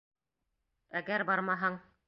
Әгәр бармаһаң...